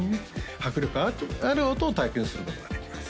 迫力ある音を体験することができます